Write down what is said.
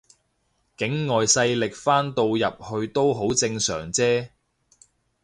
境外勢力翻到入去都好正常啫